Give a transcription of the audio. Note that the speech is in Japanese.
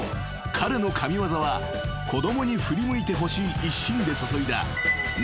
彼の神業は子供に振り向いてほしい一心で注いだ］